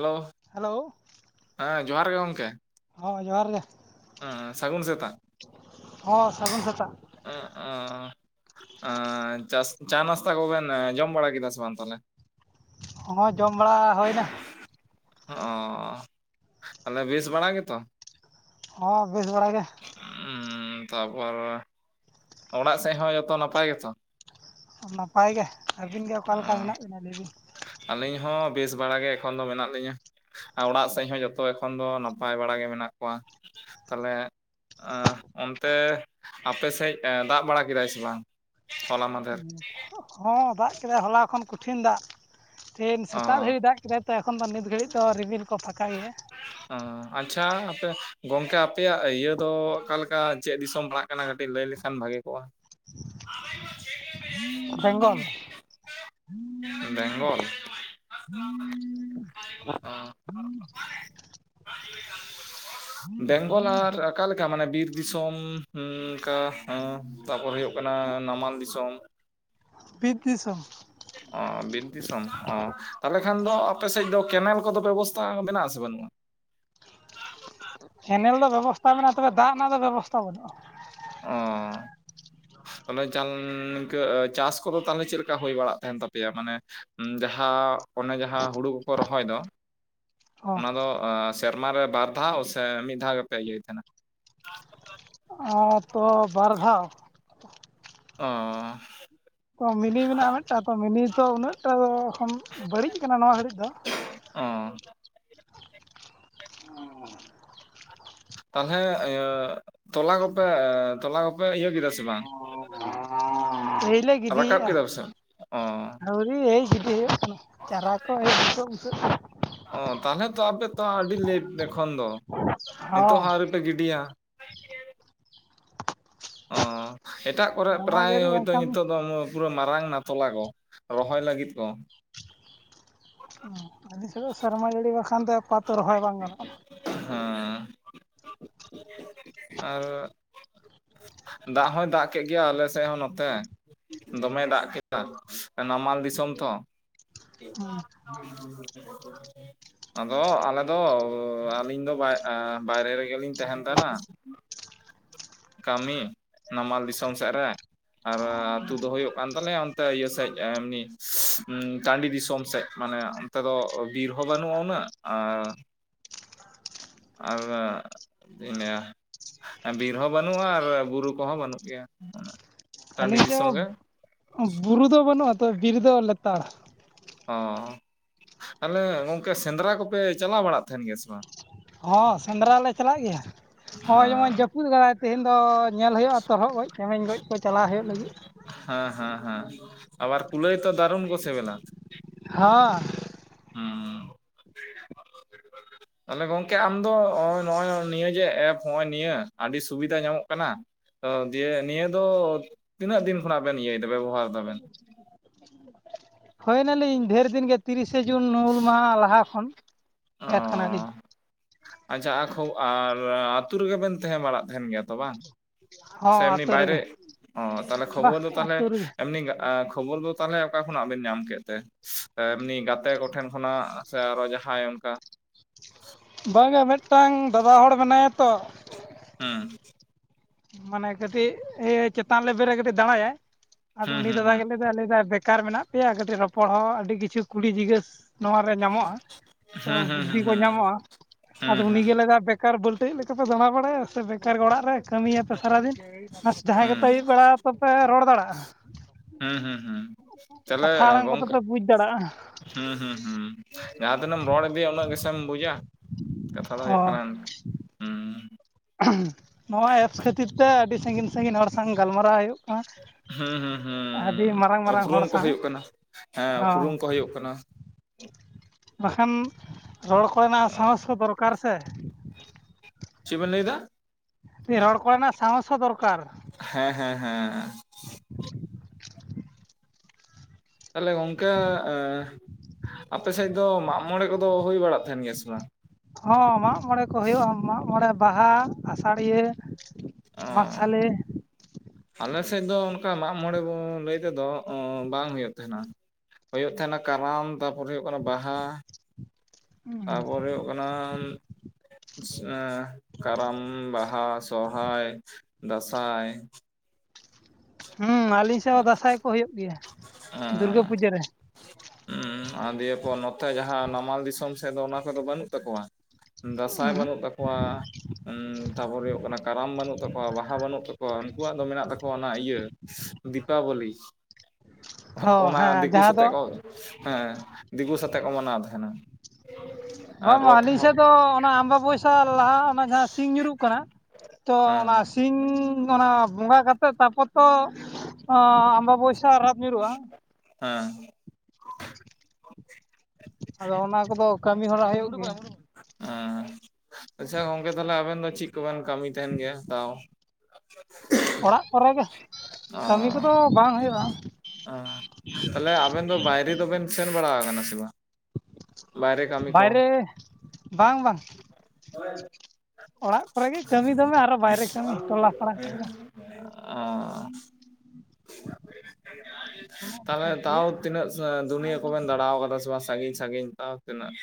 Hello. Hello. ᱦᱮᱸ ᱡᱚᱦᱟᱨ ᱜᱮ ᱜᱚᱝᱠᱮ ᱾ ᱦᱚ ᱡᱚᱦᱟᱨ ᱜᱮ ᱾ ᱦᱩᱸ ᱥᱟᱹᱜᱩᱱ ᱥᱮᱛᱟᱜ ᱾ [inaudible] ᱦᱚᱸ ᱥᱟᱹᱜᱩᱱ ᱥᱮᱛᱟᱜ ᱾ [unintelligible] ᱟᱻ ᱪᱟᱥ ᱪᱟ ᱱᱟᱥᱛᱟ ᱠᱚᱵᱮᱱ ᱡᱚᱢ ᱵᱟᱲᱟ ᱠᱮᱫᱟ ᱥᱮ ᱵᱟᱝ ᱛᱟᱦᱚᱞᱮ? ᱦᱚᱸ ᱡᱚᱢ ᱵᱟᱲᱟ ᱦᱩᱭᱮᱱᱟ᱾ ᱚᱻ [inaudible] ᱛᱟᱦᱚᱞᱮ ᱵᱮᱥ ᱵᱟᱲᱟ ᱜᱮᱛᱚ? ᱦᱚᱸ ᱵᱮᱥ ᱵᱟᱲᱟ ᱜᱮ ᱾ ᱩᱸᱻ ᱛᱟᱯᱚᱨᱮ ᱚᱲᱟᱜ ᱥᱮᱫ ᱦᱚᱸ ᱡᱚᱛᱚ ᱱᱟᱯᱟᱭ ᱜᱮᱛᱚ? ᱱᱟᱯᱟᱭ ᱜᱮ ᱾ ᱟᱹᱵᱤᱱ ᱜᱮ ᱚᱠᱟ ᱚ ᱞᱮᱠᱟ ᱢᱮᱱᱟᱜ ᱵᱤᱱᱟ ᱞᱟᱹᱭ ᱵᱤᱱ? ᱟᱹᱞᱤᱧ ᱦᱚᱸ ᱵᱮᱥ ᱵᱟᱲᱟ ᱜᱮ ᱮᱠᱷᱚᱱ ᱫᱚ ᱢᱮᱱᱟᱜ ᱞᱤᱧᱟ᱾ ᱟᱨ ᱚᱲᱟᱜ ᱥᱮᱫ ᱦᱚᱸ ᱡᱚᱛᱚ ᱮᱠᱷᱚᱱ ᱫᱚ ᱱᱟᱯᱟᱭ ᱵᱟᱲᱟ ᱜᱮ ᱢᱮᱱᱟᱜ ᱠᱚᱣᱟ ᱾ ᱛᱟᱦᱚᱞᱮ ᱟᱦ ᱚᱱᱛᱮ ᱟᱯᱮᱥᱮᱫ ᱫᱟᱜ ᱵᱟᱲᱟ ᱠᱮᱫᱟᱭ ᱥᱮ ᱵᱟᱝ? ᱦᱚᱞᱟ ᱢᱟᱫᱷᱮᱨ? ᱦᱚᱸ ᱫᱟᱜ ᱠᱮᱫᱟᱭ ᱦᱚᱞᱟ ᱠᱷᱚᱱ ᱠᱚᱴᱷᱤᱱ ᱫᱟᱜ ᱾ [inaudible] ᱛᱮᱦᱮᱧ ᱥᱮᱛᱟᱜ ᱚ ᱫᱷᱟᱹᱨᱤᱡ ᱫᱟᱜ ᱠᱮᱫᱟᱭ᱾ ᱛᱚ ᱮᱠᱷᱚᱱ ᱫᱚ ᱱᱤᱛ ᱜᱷᱟᱹᱲᱤᱡ ᱫᱚ ᱨᱤᱢᱤᱞ ᱠᱚ ᱯᱷᱟᱸᱠᱟ ᱜᱮᱭᱟ᱾ ᱚ ᱟᱪᱪᱷᱟ ᱟᱯᱮ ᱜᱚᱝᱠᱮ ᱟᱯᱮᱭᱟᱜ ᱤᱭᱟᱹ ᱫᱚ ᱚᱠᱟ ᱞᱮᱠᱟ ᱪᱮᱫ ᱫᱤᱥᱚᱢ ᱯᱟᱲᱟᱜ ᱠᱟᱱᱟ? ᱠᱟᱹᱴᱤᱡ ᱞᱟᱹᱭ ᱞᱮᱠᱷᱟᱱ ᱵᱷᱟᱜᱮ ᱠᱚᱜ-ᱟ ᱾ [inaudible] ᱵᱮᱝᱜᱚᱞ ᱾ ᱵᱮᱝᱜᱚᱞ? [inaudible] ᱚ ᱾ [inaudible] ᱵᱮᱝᱜᱚᱞ ᱟᱨ ᱚᱠᱟ ᱞᱮᱠᱟ ᱢᱟᱱᱮ ᱵᱤᱨ ᱫᱤᱥᱚᱢᱻ [inaudible] ᱚᱱᱠᱟᱻ ᱚᱸ ᱛᱟᱯᱚᱨ ᱦᱩᱭᱩᱜ ᱠᱟᱱᱟ ᱱᱟᱢᱟᱞ ᱫᱤᱥᱚᱢ ᱾ ᱵᱤᱨ ᱫᱤᱥᱚᱢ ᱾ ᱚ ᱵᱤᱨ ᱫᱤᱥᱚᱢ ᱚ ᱾ ᱛᱟᱦᱚᱞᱮ ᱠᱷᱟᱱ ᱫᱚ ᱟᱯᱮ ᱥᱮᱫ ᱫᱚ ᱠᱮᱱᱮᱞ ᱠᱚᱫᱚ ᱵᱮᱵᱚᱥᱛᱟ ᱢᱮᱱᱟᱜ ᱟᱥᱮ ᱵᱟᱹᱱᱩᱜ-ᱟ? ᱠᱮᱱᱮᱞ ᱫᱚ ᱵᱮᱵᱚᱥᱛᱟ ᱢᱮᱱᱟᱜ-ᱟ, ᱛᱚᱵᱮ ᱫᱟᱜ ᱨᱮᱱᱟᱜ ᱫᱚ ᱵᱮᱵᱚᱥᱛᱟ ᱵᱟᱹᱱᱩᱜ-ᱟ ᱾ ᱚᱻ ᱛᱟᱦᱚᱞᱮ ᱪᱟᱞ ᱤᱱᱠᱟᱹ ᱪᱟᱥ ᱠᱚᱫᱚ ᱛᱟᱦᱚᱞᱮ ᱪᱮᱫ ᱞᱮᱠᱟ ᱦᱩᱭ ᱵᱟᱲᱟᱜ ᱛᱟᱦᱮᱱ ᱛᱟᱯᱮᱭᱟ ᱢᱟᱱᱮ ᱡᱟᱦᱟᱸ ᱚᱱᱮ ᱡᱟᱦᱟᱸ ᱦᱩᱲᱩ ᱠᱚᱠᱚ ᱨᱚᱦᱚᱭ ᱫᱚ ᱚ ᱚᱱᱟ ᱫᱚ ᱥᱮᱨᱢᱟ ᱨᱮ ᱵᱟᱨ ᱫᱷᱟᱣ ᱥᱮ ᱢᱤᱫ ᱫᱷᱟᱣ ᱜᱮᱯᱮ ᱤᱭᱟᱹᱭ ᱛᱟᱦᱮᱱᱟ? ᱚᱱᱟ ᱛᱚ ᱵᱟᱨ ᱫᱷᱟᱣ ᱾ ᱚᱻ ᱚ, ᱢᱤᱱᱤ ᱢᱮᱱᱟᱜ-ᱟ ᱢᱤᱫᱴᱟᱝ, ᱛᱚ ᱢᱤᱱᱤ ᱛᱚ ᱩᱱᱟᱹᱜᱴᱟ ᱮᱠᱷᱚᱱ ᱵᱟᱹᱲᱤᱡ ᱠᱟᱱᱟ ᱱᱚᱣᱟ ᱜᱷᱟᱹᱲᱤᱡ ᱫᱚ᱾ ᱚᱻ ᱛᱟᱦᱞᱮ ᱤᱭᱟᱹ ᱛᱚᱞᱟ ᱠᱚᱯᱮ ᱮᱻ ᱛᱚᱞᱟ ᱠᱚᱯᱮ ᱤᱭᱟᱹ ᱠᱮᱫᱟ ᱥᱮ ᱵᱟᱝ? [inaudible] ᱮᱹᱭᱞᱮ ᱨᱟᱠᱟᱵ ᱜᱤᱰᱤᱭᱮᱜ-ᱟ᱾ ᱠᱮᱫᱟ ᱯᱮᱥᱮ ᱵᱟᱝ ᱚ ᱟᱹᱣᱨᱤ ᱮᱹᱭ ᱜᱤᱰᱤ ᱦᱩᱭᱩᱜ ᱠᱟᱱᱟ, ᱪᱟᱨᱟ ᱠᱚ ᱮᱹᱭ ᱵᱩᱥᱟᱹᱜ ᱢᱩᱩᱥᱟᱹᱜ ᱠᱟᱱᱟ᱾ ᱚᱻ ᱛᱟᱦᱞᱮ ᱛᱚ ᱟᱯᱮ ᱛᱚ ᱟᱹᱰᱤ ᱞᱮᱴ ᱮᱠᱷᱚᱱ ᱫᱚ, ᱱᱤᱛᱚᱜ ᱦᱚᱸ ᱟᱹᱣᱨᱤᱯᱮ ᱜᱤᱰᱤᱭᱟ᱾ ᱚ, ᱮᱴᱟᱜ ᱠᱚᱨᱮ ᱥᱮᱨᱢᱟ ᱯᱨᱟᱭ ᱡᱟᱹᱲᱤ ᱦᱚᱳᱭᱛᱳ ᱵᱟᱝᱠᱷᱟᱱ ᱱᱤᱛᱚᱜ ᱫᱚ ᱚᱢᱚ ᱯᱩᱨᱟᱹ ᱢᱟᱨᱟᱝᱱᱟ ᱛᱚᱞᱟ ᱠᱚ, ᱨᱚᱦᱚᱭ ᱞᱟᱹᱜᱤᱫ ᱠᱚ᱾ ᱟᱞᱮ ᱥᱮᱱ ᱫᱚ ᱥᱮᱨᱢᱟ ᱡᱟᱹᱲᱤ ᱵᱟᱠᱷᱟᱱ ᱫᱚ ᱟᱯᱟᱛᱛᱚ ᱨᱚᱦᱚᱭ ᱵᱟᱝ ᱜᱟᱱᱚᱜ-ᱟ᱾ ᱦᱮᱸᱻ ᱟᱨ ᱫᱟᱜ ᱦᱚᱸᱭ ᱫᱟᱜ ᱠᱮᱜ ᱜᱮᱭᱟ ᱟᱞᱮ ᱥᱮᱜ ᱦᱚᱸ ᱱᱚᱛᱮ᱾ ᱫᱚᱢᱮᱭ ᱫᱟᱜ ᱠᱮᱫᱟ ᱱᱟᱢᱟᱞ ᱫᱤᱥᱚᱢ ᱛᱚ᱾ ᱦᱩᱸ [unintelligible] ᱟᱫᱚ ᱟᱞᱮ ᱫᱚ ᱟᱹᱞᱤᱧ ᱫᱚ ᱵᱟᱭ ᱟᱸ ᱵᱟᱭᱨᱮ ᱨᱮᱜᱮᱞᱤᱧ ᱛᱟᱸᱦᱮᱱ ᱛᱟᱸᱦᱮᱱᱟ᱾ ᱠᱟᱹᱢᱤ ᱱᱟᱢᱟᱞ ᱫᱤᱥᱚᱢ ᱥᱮᱜ ᱨᱮ᱾ ᱟᱨ ᱟᱹᱛᱩ ᱫᱚ ᱦᱩᱭᱩᱜ ᱠᱟᱱ ᱛᱟᱞᱮᱭᱟ ᱚᱱᱛᱮ ᱤᱭᱟᱹ ᱥᱮᱡ ᱮᱢᱱᱤ ᱴᱟᱺᱰᱤ ᱫᱤᱥᱚᱢ ᱥᱮᱡ᱾ ᱢᱟᱱᱮ ᱚᱱᱛᱮ ᱫᱚ ᱵᱤᱨ ᱦᱚᱸ ᱵᱟᱹᱱᱩᱜ-ᱟ ᱩᱱᱟᱹᱜ ᱟᱨ ᱟᱨ ᱪᱮᱫ ᱤᱧ ᱞᱟᱹᱭᱟ? ᱵᱤᱨ ᱦᱚᱸ ᱵᱟᱹᱱᱩᱜ-ᱟ ᱟᱨ ᱵᱩᱨᱩ ᱠᱚᱦᱚᱸ ᱵᱟᱹᱱᱩᱜ ᱜᱮᱭᱟ ᱩᱱᱟᱹᱜ᱾ ᱟᱹᱞᱤᱧ ᱪᱚ ᱵᱩᱨᱩ ᱫᱚ ᱵᱟᱹᱱᱩᱜ-ᱟ ᱛᱚ ᱵᱤᱨ ᱫᱚ ᱞᱮᱛᱟᱲ᱾ ᱚ, ᱟᱞᱮ ᱜᱚᱝᱠᱮ ᱥᱮᱸᱫᱽᱨᱟ ᱠᱚᱯᱮ ᱪᱟᱞᱟᱣ ᱵᱟᱲᱟᱜ ᱛᱟᱦᱮᱱ ᱜᱮᱭᱟ ᱥᱮ ᱵᱟᱝ? ᱦᱚᱸ, ᱥᱮᱸᱫᱽᱨᱟ ᱞᱮ ᱪᱟᱞᱟᱜ ᱜᱮᱭᱟ᱾ ᱦᱚᱸᱜ-ᱚᱭ ᱡᱮᱢᱚᱱ ᱦᱮᱸ ᱡᱟᱹᱯᱩᱫ ᱠᱟᱫᱟᱭ ᱛᱮᱦᱮᱧ ᱫᱚᱻ ᱧᱮᱞ ᱦᱩᱭᱩᱜ-ᱟ ᱛᱚᱨᱚᱦᱚᱫ ᱜᱚᱡ, ᱪᱮᱢᱮᱧ ᱜᱚᱡ ᱠᱚ ᱪᱟᱞᱟᱣ ᱦᱩᱭᱩᱜ ᱞᱟᱹᱜᱤᱫ᱾ ᱦᱮᱸ ᱦᱮᱸ ᱦᱮᱸ᱾ ᱟᱵᱟᱨ ᱠᱩᱞᱟᱹᱭ ᱛᱚ ᱫᱟᱨᱩᱱ ᱠᱚ ᱥᱮᱵᱮᱞᱟ᱾ ᱦᱟᱸ᱾ ᱦᱩᱸ᱾ ᱛᱟᱦᱞᱮ ᱜᱚᱝᱠᱮ ᱟᱢ ᱫᱚ ᱚᱸᱭ ᱱᱚᱜ-ᱚᱭ ᱱᱤᱭᱟᱹ ᱡᱮ ᱮᱯ ᱱᱚᱜ-ᱚᱭ ᱱᱤᱭᱟᱹ ᱟᱹᱰᱤ ᱥᱩᱵᱤᱫᱷᱟ ᱧᱟᱢᱚᱜ ᱠᱟᱱᱟ᱾ ᱛᱚ ᱫᱤᱭᱮ ᱱᱤᱭᱟᱹ ᱫᱚ ᱛᱤᱱᱟᱹᱜ ᱫᱤᱱ ᱠᱷᱚᱱᱟᱜ ᱵᱮᱱ ᱤᱭᱟᱹᱭᱮᱫᱟ ᱵᱮᱵᱚᱦᱟᱨ ᱫᱟᱵᱮᱱ? ᱦᱩᱭᱳᱱᱟᱞᱤᱧ ᱰᱷᱮᱨ ᱫᱤᱱᱜᱮ ᱛᱤᱨᱤᱥᱮ ᱡᱩᱱ ᱦᱩᱞ ᱢᱟᱦᱟ ᱞᱟᱦᱟ ᱠᱷᱚᱱ ᱚ ᱮᱰ ᱠᱟᱱᱟᱞᱤᱧ᱾ ᱟᱪᱪᱷᱟ ᱟᱨ ᱠᱷᱚᱵ, ᱟᱨ ᱟᱹᱛᱩ ᱨᱮᱜᱮ ᱵᱮᱱ ᱛᱟᱦᱮᱸ ᱵᱟᱲᱟᱜ ᱛᱟᱸᱦᱮᱱ ᱜᱮᱭᱟ ᱛᱚ ᱵᱟᱝ? ᱦᱚᱸ ᱥᱮ ᱮᱢᱱᱤ ᱟᱹᱛᱩ ᱵᱟᱭᱨᱮ? ᱨᱮᱜᱮ ᱚ ᱛᱟᱦᱞᱮ ᱵᱟ ᱠᱷᱚᱵᱚᱨ ᱫᱚ ᱛᱟᱦᱞᱮ ᱟᱹᱛᱩ ᱨᱮᱜᱮ ᱮᱢᱱᱤ ᱮᱸᱻ ᱠᱷᱚᱵᱚᱨ ᱫᱚ ᱛᱟᱦᱞᱮ ᱚᱠᱟ ᱠᱷᱚᱱᱟᱜ ᱵᱮᱱ ᱧᱟᱢ ᱠᱮᱫ ᱛᱮ? ᱮᱢᱱᱤ ᱜᱟᱛᱮ ᱠᱚᱴᱷᱮᱱ ᱠᱷᱚᱱᱟᱜ ᱥᱮ ᱟᱨᱚ ᱡᱟᱦᱟᱸᱭ ᱚᱱᱠᱟ? ᱵᱟᱝᱟ ᱢᱤᱫᱴᱟᱝ ᱫᱟᱫᱟ ᱦᱚᱲ ᱢᱮᱱᱟᱭᱟ ᱛᱚ᱾ ᱦᱩᱸ᱾ ᱢᱟᱱᱮ ᱠᱟᱹᱴᱤᱡ ᱤᱭᱟᱹ ᱪᱮᱛᱟᱱ ᱞᱮᱵᱨᱮ ᱨᱮ ᱠᱟᱹᱴᱤᱡ ᱫᱟᱬᱟᱭᱟᱭ, ᱟᱫᱚ ᱦᱩᱸ ᱩᱱᱤ ᱦᱩᱸ ᱫᱟᱫᱟ ᱦᱩᱸ ᱜᱮᱞᱮ ᱞᱟᱹᱭᱫᱟᱭ ᱵᱮᱠᱟᱨ ᱢᱮᱱᱟᱜ ᱯᱮᱭᱟ ᱠᱟᱹᱴᱤᱡ ᱨᱚᱯᱚᱲ ᱦᱚᱸ ᱟᱹᱰᱤ ᱠᱤᱪᱷᱩ ᱠᱩᱞᱤ ᱡᱤᱜᱟᱹᱥ ᱱᱚᱣᱟᱨ ᱨᱮ ᱧᱟᱢᱚᱜ-ᱟ, ᱛᱚ ᱦᱩᱸ ᱵᱩᱫᱽᱫᱷᱤ ᱠᱚ ᱦᱩᱸ ᱧᱟᱢᱚᱜ-ᱟ ᱦᱩᱸ ᱟᱫᱚ ᱦᱩᱸ ᱦᱩᱸ ᱩᱱᱤᱜᱮ ᱞᱟᱜᱟ ᱵᱮᱠᱟᱨ ᱵᱟᱹᱞᱴᱟᱹᱭᱤᱡ ᱞᱮᱠᱟᱯᱮ ᱫᱟᱬᱟ ᱵᱟᱲᱟᱭᱟ ᱥᱮ ᱵᱮᱠᱟᱨ ᱜᱮ ᱚᱲᱟᱜ ᱨᱮ ᱠᱟᱹᱢᱤᱭᱟ ᱥᱟᱨᱟᱫᱤᱱ᱾ ᱡᱟᱦᱟᱸᱭ ᱦᱩᱸ ᱜᱮᱯᱮ ᱟᱹᱭᱩᱵ ᱵᱮᱲᱟ ᱛᱚᱯᱮ ᱨᱚᱲ ᱫᱟᱲᱮᱜ-ᱟ᱾ ᱦᱩᱸ ᱦᱩᱸ ᱦᱩᱸ, ᱛᱟᱦᱞᱮ ᱠᱚᱫᱚ ᱜᱚᱝᱠᱮ ᱯᱮ ᱵᱩᱡᱽ ᱫᱟᱲᱮᱭᱟᱜᱼᱟ ᱦᱩᱸ ᱦᱩᱸ ᱦᱩᱸ, ᱡᱟᱦᱟᱸ ᱛᱤᱱᱟᱹᱜ ᱮᱢ ᱨᱚᱲ ᱤᱫᱤᱭᱟ ᱩᱱᱟᱹᱜ ᱜᱮᱥᱮᱢ ᱵᱩᱡᱟ᱾ ᱠᱟᱛᱷᱟ ᱫᱚ ᱦᱩᱭᱩᱜ ᱦᱚᱸ ᱠᱟᱱᱟ ᱚᱱ, ᱦᱩᱸ᱾ ᱛᱤᱨ ᱛᱮ ᱟᱹᱰᱤ ᱥᱟᱺᱜᱤᱧ ᱥᱟᱺᱜᱤᱧ ᱦᱚᱲ ᱥᱟᱝ ᱜᱟᱞᱢᱟᱨᱟᱣ ᱦᱳᱭᱳᱜ ᱠᱟᱱᱟ᱾ ᱦᱩᱸ ᱦᱩᱸ ᱟᱹᱰᱤ ᱦᱩᱸ ᱢᱟᱨᱟᱝ ᱢᱟᱨᱟᱝ ᱩᱯᱨᱩᱢ ᱦᱚᱲ ᱠᱚ ᱥᱟᱶ ᱦᱳᱭᱳᱜ ᱠᱟᱱᱟ ᱦᱮᱸ ᱦᱚᱸ ᱩᱯᱨᱩᱢ ᱠᱚ ᱦᱳᱭᱳᱜ ᱠᱟᱱᱟ᱾ ᱵᱟᱠᱷᱟᱱ ᱨᱚᱲ ᱠᱚᱨᱮᱱᱟᱜ ᱥᱟᱦᱚᱥ ᱠᱚ ᱫᱚᱨᱠᱟᱨ ᱥᱮ᱾ ᱪᱮᱜᱵᱮᱱ ᱞᱟᱹᱭᱫᱟ? ᱨᱚᱲ ᱠᱚᱨᱮᱱᱟᱜ ᱥᱟᱦᱚᱥ ᱦᱚᱸ ᱫᱚᱨᱠᱟᱨ ᱾ ᱦᱮᱸ ᱦᱮᱸ ᱦᱮᱸ, ᱛᱟᱦᱞᱮ ᱜᱚᱝᱠᱮ ᱮ ᱟᱯᱮ ᱥᱮᱫ ᱫᱚ ᱢᱟᱜ ᱢᱚᱬᱮ ᱠᱚᱫᱚ ᱦᱳᱭ ᱵᱟᱲᱟᱜ ᱛᱟᱦᱮᱱ ᱜᱮᱭᱟ ᱥᱮ ᱵᱟᱝ? ᱦᱚᱸ ᱢᱟᱜ ᱢᱚᱬᱮ ᱠᱚ ᱦᱳᱭᱳᱜᱼᱟ ᱢᱟᱜ ᱢᱚᱬᱮ ᱵᱟᱦᱟ ᱟᱥᱟᱲᱤᱭᱟᱹ ᱾ ᱚ, ᱟᱞᱮ ᱫᱚ ᱚᱱᱠᱟ ᱢᱟᱜ ᱢᱚᱬᱮ ᱵᱚᱱ ᱞᱟᱹᱭ ᱛᱮᱫᱚ ᱵᱟᱝ ᱦᱳᱭᱳᱜ ᱛᱟᱦᱮᱸᱱᱟ᱾ ᱾ ᱦᱳᱭᱳᱜ ᱛᱷᱮᱱᱟ ᱠᱟᱨᱟᱢ ᱛᱟᱯᱚᱨᱮ ᱦᱳᱭᱳᱜ ᱠᱟᱱᱟ ᱵᱟᱦᱟ, ᱛᱟᱯᱚᱨ ᱦᱳᱭᱳᱜ ᱠᱟᱱᱟᱢ, [unintelligible] ᱮᱸ ᱠᱟᱨᱟᱢ, ᱵᱟᱦᱟ, ᱥᱚᱦᱚᱨᱟᱭ, ᱫᱟᱸᱥᱟᱭ ᱾ ᱦᱩᱸ ᱟᱞᱤᱧ ᱥᱮᱜ ᱦᱚᱸ ᱫᱟᱥᱟᱭ ᱠᱚ ᱦᱳᱭᱩᱳᱜ ᱜᱮᱭᱟ ᱫᱩᱨᱜᱟᱹ ᱯᱩᱡᱟᱹ ᱨᱮ ᱾ ᱦᱩᱸ ᱟ ᱫᱤᱭᱮ ᱯᱚᱨ ᱱᱚᱛᱮ ᱡᱟᱦᱟᱸ ᱱᱟᱢᱟᱞ ᱫᱤᱥᱚᱢ ᱥᱮᱫ ᱫᱚ ᱚᱱᱟ ᱠᱚᱫᱚ ᱵᱟᱹᱱᱩᱜ ᱛᱟᱠᱣᱟ ᱾ ᱫᱟᱥᱟᱭ ᱵᱟᱱᱩᱜ ᱛᱟᱠᱚᱣᱟ ᱦᱩᱸ, ᱛᱟᱯᱚᱨ ᱦᱳᱭᱳᱜ ᱠᱟᱱᱟ ᱠᱟᱨᱟᱢ ᱵᱟᱹᱱᱩᱜ ᱛᱟᱠᱚᱣᱟ ᱵᱟᱦᱟ ᱵᱟᱹᱱᱩᱜ ᱛᱟᱠᱚᱣᱟ, ᱩᱱᱩᱠᱩ ᱣᱟᱜ ᱫᱚ ᱢᱮᱱᱟᱜ ᱛᱟᱠᱚᱣᱟ ᱚᱱᱟ ᱤᱭᱟᱹ, ᱫᱤᱯᱟᱵᱚᱞᱤ ᱚ ᱚᱱᱟ ᱦᱮᱸ ᱫᱤᱠᱩ ᱡᱟᱦᱟᱸ ᱫᱚ ᱥᱟᱛᱮᱜ ᱠᱚ ᱦᱮᱸ ᱫᱤᱠᱩ ᱥᱟᱛᱮᱜ ᱠᱚ ᱢᱟᱱᱟᱣ ᱛᱟᱦᱮᱱᱟ ᱾ ᱵᱟᱝ ᱵᱟᱝ ᱟᱹᱞᱤᱧ ᱥᱮᱫ ᱫᱚ ᱚᱱᱟ ᱟᱢᱟᱵᱟ‌ ᱵᱳᱥ ᱥᱟ ᱞᱟᱦᱟ ᱚᱱᱟ ᱡᱟᱦᱟᱸ ᱥᱤᱧ ᱧᱩᱨᱩᱜ ᱠᱟᱱᱟ ᱛᱚ ᱦᱮᱸ ᱚᱱᱟ ᱥᱤᱧ ᱚᱱᱟ ᱵᱚᱸᱜᱟ ᱠᱟᱛᱮᱫ ᱛᱟᱯᱚᱨ ᱛᱚ ᱟᱢᱟᱵᱟᱭᱥᱟᱹ ᱨᱟᱛ ᱧᱩᱨᱦᱩᱜᱼᱟ ᱾ ᱦᱮᱸ᱾ ᱟᱫᱚ ᱚᱱᱟ ᱠᱚᱫᱚ ᱠᱟᱹᱢᱤ ᱦᱚᱨᱟ ᱦᱳᱭᱳᱜ ᱜᱮᱭᱟ᱾ ᱮᱸ ᱟᱪᱪᱷᱟ ᱜᱚᱝᱠᱮ ᱛᱟᱦᱞᱮ ᱟᱵᱮᱱ ᱫᱚ ᱪᱤᱜ ᱠᱩᱵᱮᱱ ᱠᱟᱹᱢᱤ ᱛᱟᱦᱮᱱ ᱜᱮᱭᱟ ᱛᱟᱣ? ᱚᱲᱟᱜ ᱠᱚᱨᱮ ᱜᱮ ᱚ ᱠᱟᱹᱢᱤ ᱠᱚᱫᱚ ᱵᱟᱝ ᱦᱳᱭᱳᱜᱼᱟ ᱾ ᱛᱟᱦᱚᱞᱮ ᱟᱵᱮᱱ ᱫᱚ ᱵᱟᱭᱨᱮ ᱫᱚᱵᱮᱱ ᱥᱮᱱ ᱵᱟᱲᱟ ᱟᱠᱟᱱᱟ ᱥᱮ ᱵᱟᱝ? ᱵᱟᱭᱨᱮ ᱠᱟᱹᱢᱤ ᱠᱚ ᱵᱟᱭᱨᱮ ᱵᱟᱝ ᱵᱟᱝ᱾ [unintelligible] ᱚᱲᱟᱜ ᱠᱚᱨᱮ ᱜᱮ ᱠᱟᱹᱢᱤ ᱫᱚᱢᱮ ᱟᱨᱚ ᱵᱟᱭᱨᱮ ᱠᱟᱹᱢᱤ ᱴᱚᱞᱟ [unintelligible] ᱯᱟᱲᱟ ᱠᱚᱨᱮ [unintelligible] ᱛᱟᱦᱞᱮ ᱛᱟᱣ ᱫᱚ ᱛᱤᱱᱟᱹᱜ ᱫᱩᱱᱭᱟᱹ ᱠᱚᱵᱮᱱ ᱫᱟᱬᱟᱣ ᱠᱟᱫᱟ ᱥᱮ ᱵᱟᱝ? ᱥᱟᱺᱜᱤᱧ ᱥᱟᱺᱜᱤᱧ ᱛᱟᱣ ᱛᱮᱱᱟᱹᱜ?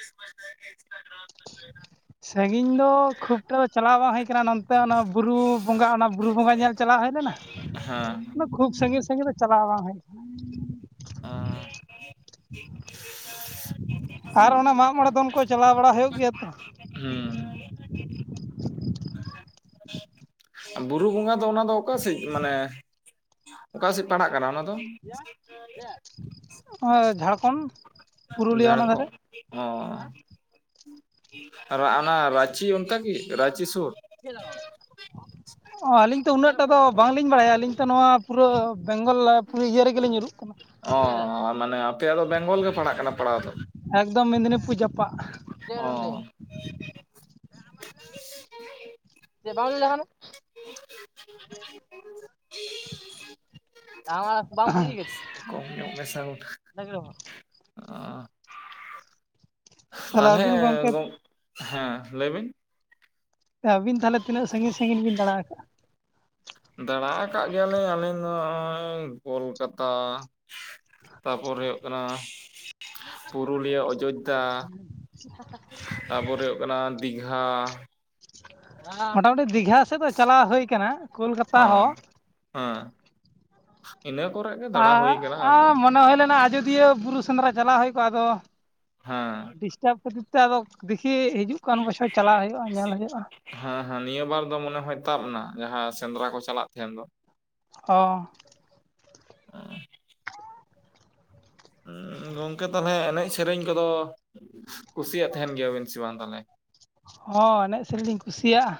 ᱥᱟᱺᱜᱤᱧ ᱫᱚ ᱠᱷᱩᱵ ᱴᱟ ᱫᱚ ᱪᱟᱞᱟᱣ ᱵᱟᱝ ᱦᱩᱭ ᱠᱟᱱᱟ ᱱᱚ ᱛᱮ ᱚᱱᱟ ᱵᱩᱨᱩ ᱵᱚᱸᱜᱟ ᱚᱱᱟ ᱵᱩᱨᱩ ᱵᱚᱸᱜᱟ ᱧᱮᱞ ᱪᱟᱞᱟᱜᱣ ᱦᱳᱭ ᱞᱮᱱᱟ ᱦᱮᱸ ᱾ ᱠᱷᱩᱵ ᱥᱟᱺᱜᱤᱧ ᱥᱟᱺᱤᱧ ᱫᱚ ᱪᱟᱞᱟᱣ ᱵᱟᱝ ᱦᱳᱭ ᱟᱸ, ᱟᱨ ᱚᱱᱟ ᱢᱟᱜ ᱢᱚᱬᱮ ᱫᱚᱱ ᱠᱚ ᱪᱟᱞᱟᱣ ᱵᱟᱲᱟ ᱦᱳᱭᱳᱜ ᱜᱮᱭᱟ ᱛᱚ᱾ ᱦᱩᱸ, ᱵᱩᱨᱩ ᱵᱚᱸᱜᱟ ᱫᱚ ᱚᱱᱟ ᱫᱚ ᱚᱠᱟ ᱥᱤᱜ ᱢᱟᱱᱮ ᱚᱠᱟ ᱥᱮᱜ ᱯᱟᱲᱦᱟᱜ ᱠᱟᱱᱟ ᱚᱱᱟ ᱫᱚ? [unintelligible] ᱚᱱᱟ ᱫᱚ ᱡᱷᱟᱲᱠᱷᱚᱸᱱ ᱾ ᱯᱩᱨᱩᱞᱤᱭᱟᱹ ᱡᱷᱟᱲᱠᱷᱚᱸᱠᱚᱜ ᱚ᱾ ᱨᱟᱜᱟᱱᱟ ᱨᱟᱸᱪᱤ ᱚᱱᱛᱮ ᱠᱤ ᱨᱟᱸᱪᱤ ᱥᱩᱨ ᱾ [unintelligible] [unintelligible] ᱚ ᱟᱹᱞᱤᱧ ᱛᱚ ᱩᱱᱟᱹᱜ ᱴᱟ ᱫᱚ ᱵᱟᱝᱞᱤᱧ ᱵᱟᱲᱟᱭᱟ ᱟᱹᱞᱤᱧ ᱛᱚ ᱱᱚᱣᱟ ᱯᱩᱨᱟᱹ ᱵᱮᱝᱜᱚᱞ ᱯᱩᱨᱟᱹ ᱤᱭᱟᱹ ᱨᱮᱜᱮᱞᱤᱧ ᱧᱩᱨᱩᱜ ᱠᱟᱱᱟ ᱚ ᱢᱟᱱᱮ ᱟᱯᱮᱭᱟᱜ ᱫᱚ ᱵᱮᱝᱜᱚᱞ ᱜᱮ ᱯᱟᱲᱦᱟᱜ ᱠᱟᱱᱟ ᱯᱟᱲᱦᱟᱣ ᱫᱚ ᱾ ᱮᱠᱫᱚᱢ ᱢᱮᱱᱫᱤᱱᱤ ᱯᱩᱨ ᱡᱟᱯᱟᱜ᱾ ᱚ [unintelligible] [unintelligible] [unintelligible] ᱠᱚᱢ ᱧᱚᱜ ᱢᱮ ᱥᱟᱣᱩᱱ [unintelligible] ᱛᱟᱦᱚᱞᱮ ᱛᱟᱞᱦᱮ ᱟᱹᱵᱤᱱ ᱜᱚᱢᱠᱮ ᱜᱚᱝᱠᱮ ᱦᱮᱸ ᱞᱟᱹᱭ ᱵᱤᱱ? ᱟᱵᱤᱱ ᱛᱟᱦᱟᱞᱮ ᱛᱤᱱᱟᱜ ᱥᱟᱹᱜᱤᱧ ᱥᱟᱹᱜᱤᱧ ᱵᱤᱱ ᱫᱟᱬᱟ ᱟᱠᱟᱜᱼᱟ? ᱫᱟᱬᱟ ᱟᱠᱟᱜ ᱜᱮᱭᱟᱞᱤᱧ ᱟᱹᱞᱤᱧ ᱫᱚ ᱱᱚᱜᱼᱚᱭ ᱠᱳᱞᱠᱟᱛᱟ ᱛᱟᱨᱯᱚᱨ ᱦᱳᱭᱳᱜ ᱠᱟᱱᱟ ᱯᱩᱨᱩᱞᱤᱭᱟᱹ ᱚᱡᱳᱫᱽᱫᱷᱟ᱾ ᱛᱟᱯᱚᱨᱮ ᱳᱜ ᱠᱟᱱᱟ ᱫᱤᱜᱷᱟ᱾ ᱢᱳᱴᱟᱢᱩᱴᱤ ᱫᱤᱜᱷᱟ ᱥᱮᱫ ᱫᱚ ᱪᱟᱞᱟᱣ ᱦᱩᱭ ᱠᱟᱱᱟ ᱠᱳᱞᱠᱟᱛᱟ ᱦᱚᱸ᱾ ᱟᱸ᱾ ᱤᱱᱟᱹ ᱠᱚᱨᱮ ᱜᱮ᱾ ᱟ ᱦᱩᱭ ᱠᱟᱱᱟ ᱟᱨ ᱟᱸ ᱢᱚᱱᱮ ᱦᱩᱭ ᱞᱮᱱᱟ ᱟᱡᱳᱫᱤᱭᱟᱹ ᱵᱩᱨᱩ ᱥᱮᱸᱫᱽᱨᱟ ᱪᱟᱞᱟᱣ ᱦᱩᱭ ᱠᱚᱜᱼᱟ ᱟᱫᱚ ᱦᱮᱸ᱾ ᱰᱤᱥᱴᱟᱵᱽ ᱠᱷᱟᱹᱛᱤᱨ ᱛᱮ ᱟᱫᱚ ᱫᱮᱠᱷᱤ ᱦᱤᱡᱩᱜ ᱠᱟᱱ ᱵᱚᱪᱷᱚᱨ ᱪᱟᱞᱟᱣ ᱦᱳᱭᱳᱜᱼᱟ ᱧᱮᱞ ᱦᱳᱭᱳᱜᱼᱟ ᱾ ᱦᱮᱸ ᱦᱮᱸ ᱱᱤᱭᱟᱹ ᱵᱟᱨ ᱫᱚ ᱢᱚᱱᱮ ᱦᱚᱭ ᱛᱟᱵ ᱱᱟ ᱡᱟᱦᱟᱸ ᱥᱮᱸᱫᱽᱨᱟ ᱠᱚ ᱪᱟᱞᱟᱜ ᱛᱟᱦᱮᱱ ᱫᱚ᱾ ᱚ᱾ [unintelligible] ᱜᱚᱝᱠᱮ ᱛᱟᱦᱚᱞᱮ ᱮᱱᱮᱡ ᱥᱮᱨᱮᱧ ᱠᱚᱫᱚ ᱠᱩᱥᱤᱭᱟᱜ ᱛᱟᱦᱮᱱ ᱜᱮᱭᱟᱵᱤᱱ ᱥᱮ ᱵᱟᱝ ᱛᱟᱦᱚᱞᱮ? ᱦᱚᱸ ᱮᱱᱮᱡ ᱥᱮᱨᱮᱧ ᱤᱧ ᱠᱩᱥᱤᱭᱟᱜᱼᱟ,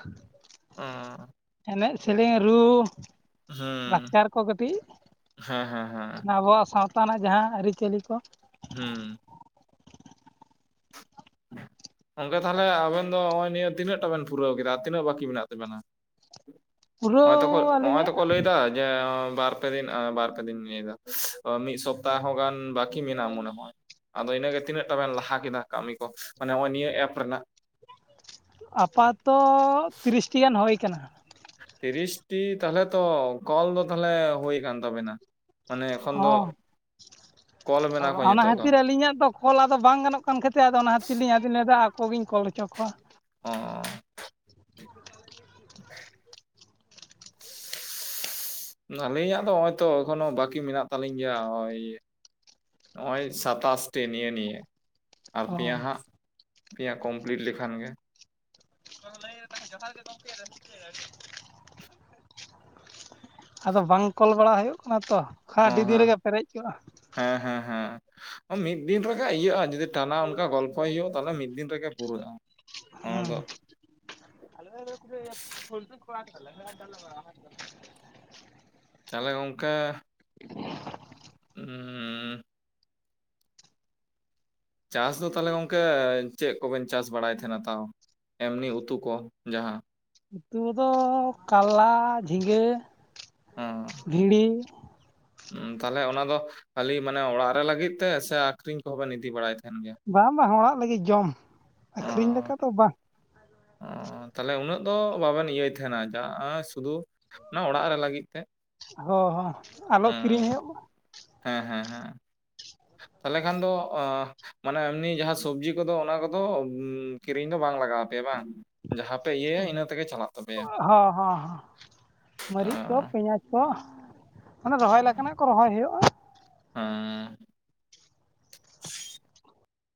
ᱮᱱᱮᱡ ᱥᱮᱨᱮᱧ ᱨᱩ ᱦᱩᱸ ᱞᱟᱠᱪᱟᱨ ᱠᱚ ᱠᱟᱹᱴᱤᱡ ᱦᱮᱸ ᱦᱮᱸ ᱦᱮᱸ ᱟᱵᱚᱣᱟᱜ ᱥᱟᱶ ᱛᱟ ᱨᱮᱱᱟᱜ ᱡᱟᱦᱟᱸ ᱟᱹᱨᱤᱪᱟᱹᱞᱤ ᱠᱚ ᱦᱩᱸ ᱜᱚᱝᱠᱮ ᱛᱟᱞᱦᱮ ᱟᱵᱮᱱ ᱫᱚ ᱱᱚᱜᱼᱚᱭ ᱱᱤᱭᱟᱹ ᱛᱤᱱᱟᱹᱜ ᱴᱟ ᱵᱮᱱ ᱯᱩᱨᱟᱹᱣ ᱠᱮᱫᱟ ᱛᱤᱱᱟᱹᱜ ᱵᱟᱠᱤ ᱢᱮᱱᱟᱜ ᱛᱟᱵᱮᱱᱟ? ᱦᱚᱸᱜᱼᱚᱭ ᱛᱚᱠᱚ ᱯᱩᱨᱟᱹᱣ ᱦᱚᱸᱜᱼᱚᱭ ᱟᱹᱞᱤᱧᱟᱜ ᱛᱚᱠᱚ ᱞᱟᱹᱭᱫᱟ ᱡᱮ ᱵᱟᱨ ᱵᱟᱨ ᱯᱮ ᱫᱤᱱ ᱵᱟᱨ ᱯᱮ ᱫᱤᱱ ᱞᱟᱹᱭᱟ ᱢᱤᱫ ᱥᱚᱯᱛᱟ ᱦᱚᱸ ᱜᱟᱱ ᱵᱟᱠᱤ ᱢᱮᱱᱟᱜᱼᱟ ᱢᱚᱱᱮ ᱦᱚᱭ᱾ ᱟᱫᱚ ᱤᱱᱟᱹᱜᱮ ᱛᱤᱱᱟᱹᱜ ᱴᱟ ᱵᱮᱱ ᱞᱟᱦᱟ ᱠᱮᱫᱟ ᱠᱟᱹᱢᱤ ᱠᱚ ᱢᱟᱱᱮ ᱱᱚᱜᱼᱚᱭ ᱱᱤᱭᱟᱹ ᱮᱯ ᱨᱮᱱᱟᱜ? ᱟᱯᱟᱛᱚ ᱛᱤᱨᱤᱥᱴᱤ ᱜᱟᱱ ᱦᱳᱭ ᱠᱟᱱᱟ᱾ ᱛᱤᱨᱤᱥᱴᱤ ᱛᱟᱦᱚᱞᱮ ᱛᱚ ᱠᱚᱞ ᱫᱚ ᱛᱟᱦᱟᱞᱮ ᱦᱳᱭ ᱠᱟᱱ ᱛᱟᱵᱮᱱᱟ? ᱢᱟᱱᱮ ᱮᱠᱷᱚᱱ ᱫᱚ ᱦᱚᱸ ᱠᱚᱞ ᱢᱮᱱᱟᱜ ᱠᱚ ᱚᱱᱟ ᱱᱤᱛᱚᱜ ᱫᱚ ᱠᱷᱟᱹᱛᱤᱨ ᱟᱹᱞᱤᱧᱟᱜ ᱫᱚ ᱠᱚᱞ ᱟᱫᱚ ᱵᱟᱝ ᱜᱟᱱᱚᱜ ᱠᱟᱱ ᱠᱷᱟᱹᱛᱤᱨ ᱟᱫᱚ ᱚᱱᱟ ᱠᱷᱟᱹᱛᱤᱨ ᱞᱤᱧ ᱟᱫᱚᱧ ᱞᱮᱫᱟ ᱟᱠᱚᱜᱮᱧ ᱠᱚᱞ ᱚᱪᱚ ᱠᱚᱣᱟ᱾ ᱚ [inaudible] [unintelligible] ᱟᱹᱞᱤᱧᱟᱜ ᱫᱚ ᱦᱚᱸᱜᱼᱚᱭ ᱛᱚ ᱮᱠᱷᱚᱱᱳ ᱵᱟᱹᱠᱤ ᱢᱮᱱᱟᱜ ᱛᱟᱹᱞᱤᱧ ᱜᱮᱭᱟ ᱦᱚᱜᱼᱚᱭ ᱱᱚᱜᱼᱚᱭ ᱥᱟᱛᱟᱥ ᱴᱤ ᱱᱤᱭᱟᱹ ᱱᱤᱭᱮ᱾ ᱟᱨ ᱚ ᱯᱮᱭᱟ ᱦᱟᱸᱜ ᱯᱮᱭᱟ ᱠᱚᱢᱯᱞᱤᱴ ᱞᱮᱠᱷᱟᱱ ᱜᱮ᱾ [inaudible] ᱟᱫᱚ ᱵᱟᱝ ᱠᱚᱞ ᱵᱟᱲᱟ ᱦᱳᱭᱳᱜ ᱠᱟᱱᱟ ᱛᱚ, ᱠᱷᱟᱡ ᱚ ᱟᱹᱰᱤ ᱫᱤᱱ ᱦᱮᱸ ᱨᱮᱜᱮ ᱯᱮᱨᱮᱡ ᱠᱚᱜᱼᱟ᱾ ᱦᱮᱸ ᱦᱮᱸ ᱦᱮᱸ ᱢᱤᱫ ᱫᱤᱱ ᱨᱮᱜᱮ ᱤᱭᱟᱹᱜᱼᱟ ᱡᱩᱫᱤ ᱴᱟᱱᱟ ᱚᱱᱠᱟ ᱜᱚᱞᱯᱚᱭ ᱦᱳᱭᱳᱜᱼᱟ ᱛᱟᱦᱚᱞᱮ ᱢᱤᱫ ᱫᱤᱱ ᱨᱮᱜᱮ ᱯᱩᱨᱟᱹᱜᱼᱟ ᱚᱱᱟ ᱦᱩᱸ ᱫᱚ᱾ [inaudible] ᱛᱟᱦᱚᱞᱮ ᱜᱚᱝᱠᱮ ᱩᱸ ᱪᱟᱥ ᱫᱚ ᱛᱟᱦᱚᱞᱮ ᱜᱚᱝᱠᱮ ᱮ ᱪᱮᱫ ᱠᱚᱵᱮᱱ ᱪᱟᱥ ᱵᱟᱲᱟᱭ ᱛᱟᱦᱮᱱᱟ ᱛᱟᱣ? ᱮᱢᱱᱤ ᱩᱛᱩ ᱠᱚ ᱡᱟᱦᱟᱸ᱾ ᱩᱛᱩ ᱫᱚ ᱠᱟᱞᱞᱟ, ᱡᱷᱤᱸᱜᱟᱹ ᱚ᱾ ᱵᱷᱤᱲᱤ ᱛᱟᱞᱦᱮ ᱚᱱᱟ ᱫᱚ ᱠᱷᱟᱞᱤ ᱢᱟᱱᱮ ᱚᱲᱟᱜ ᱨᱮ ᱞᱟᱹᱜᱤᱫ ᱛᱮ ᱥᱮ ᱟᱠᱷᱨᱤᱧ ᱠᱚᱦᱚᱸ ᱵᱮᱱ ᱤᱫᱤ ᱵᱟᱲᱟᱭ ᱛᱟᱦᱮᱱ ᱜᱮᱭᱟ ᱵᱟᱝ ᱵᱟᱝ ᱚᱲᱟᱜ ᱞᱟᱹᱜᱤᱫ ᱡᱚᱢ, ᱟᱹᱠᱷᱨᱤᱧ ᱞᱮᱠᱟ ᱫᱚ ᱵᱟᱝ᱾ ᱚᱸ ᱛᱟᱦᱞᱮ ᱩᱱᱟᱹᱜ ᱫᱚ ᱵᱟᱵᱮᱱ ᱤᱭᱟᱹᱭ ᱛᱟᱦᱮᱱᱟ ᱡᱟ ᱥᱩᱫᱩ ᱚᱱᱟ ᱚᱲᱟᱜ ᱨᱮ ᱞᱟᱹᱜᱤᱫ ᱛᱮᱫ᱾ ᱦᱚ ᱦᱚ᱾ ᱦᱩᱸ, ᱦᱮᱸ ᱦᱮᱸ ᱦᱮᱸ ᱛᱟᱦᱚᱞᱮ ᱠᱷᱟᱱ ᱫᱚ ᱟ ᱢᱟᱱᱮ ᱮᱢᱱᱤ ᱡᱟᱦᱟᱸ ᱥᱚᱵᱡᱤ ᱠᱚᱫᱚ ᱚᱱᱟ ᱠᱚᱫᱚ ᱩᱸ ᱠᱤᱨᱤᱧ ᱫᱚ ᱵᱟᱝ ᱞᱟᱜᱟᱣ ᱟᱯᱮᱭᱟ ᱵᱟᱝ? ᱡᱟᱦᱟᱸ ᱯᱮ ᱤᱭᱟᱹ ᱦᱚ ᱦᱚ ᱦᱚ ᱚ ᱢᱟᱹᱨᱤᱪ ᱠᱚ ᱯᱮᱸᱭᱟᱡᱽ ᱠᱚ ᱚᱱᱟ ᱨᱚᱦᱚᱭ ᱞᱮᱠᱟᱱᱟᱜ ᱠᱚ ᱨᱚᱦᱚᱭ ᱦᱩᱭᱩᱜ ᱦᱮᱸ᱾